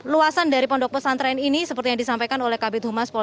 luasan dari pondok pesantren ini seperti yang disampaikan oleh kabit humas polri